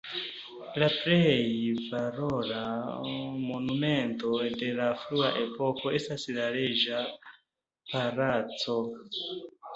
La plej valora monumento de la frua epoko estas la reĝa palaco.